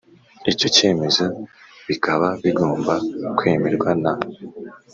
icyo cyemezo bikaba bigomba kwemerwa na